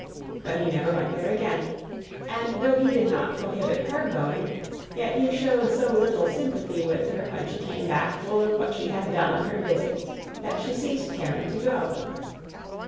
But he never went there again, and though he did not prohibit her going, yet he showed so little sympathy with her when she came back full of what she had done on her visit that she ceased caring to go.